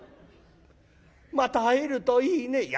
また会えるといいね」。